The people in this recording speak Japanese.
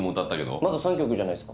まだ３曲じゃないっすか。